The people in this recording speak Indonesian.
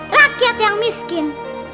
rakyat yang miskin